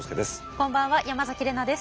こんばんは山崎怜奈です。